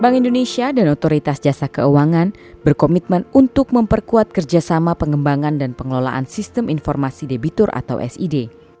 bank indonesia dan otoritas jasa keuangan berkomitmen untuk memperkuat kerjasama pengembangan dan pengelolaan sistem informasi debitur atau sid